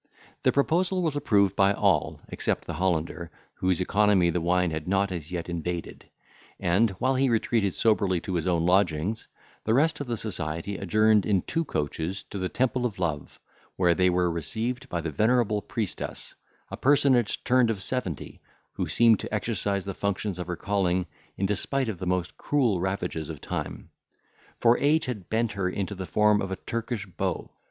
The proposal was approved by all, except the Hollander, whose economy the wine had not as yet invaded; and, while he retreated soberly to his own lodgings, the rest of the society adjourned in two coaches to the temple of love, where they were received by the venerable priestess, a personage turned of seventy, who seemed to exercise the functions of her calling, in despite of the most cruel ravages of time; for age had bent her into the form of a Turkish bow.